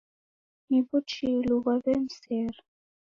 Ni w'uchilu ghwaw'emsera.